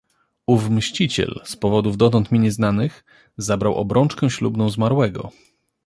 "Ów mściciel, z powodów dotąd mi nieznanych, zabrał obrączkę ślubną zmarłego."